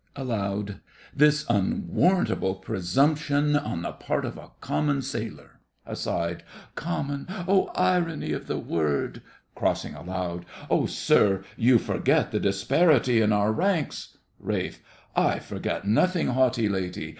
(Aloud.) This unwarrantable presumption on the part of a common sailor! (Aside.) Common! oh, the irony of the word! (Crossing, aloud.) Oh, sir, you forget the disparity in our ranks. RALPH. I forget nothing, haughty lady.